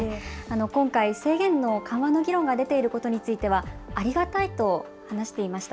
今回制限の緩和の議論が出ていることについてはありがたいと話していました。